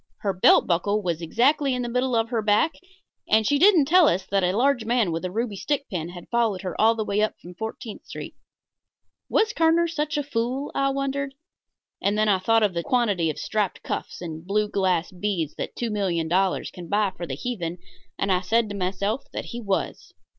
Her belt buckle was exactly in the middle of her back, and she didn't tell us that a large man with a ruby stick pin had followed her up all the way from Fourteenth Street. Was Kerner such a fool? I wondered. And then I thought of the quantity of striped cuffs and blue glass beads that $2,000,000 can buy for the heathen, and I said to myself that he was.